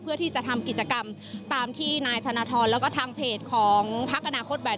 เพื่อที่จะทำกิจกรรมตามที่นายธนทรแล้วก็ทางเพจของพักอนาคตแบบ